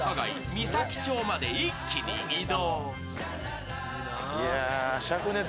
美崎町まで一気に移動。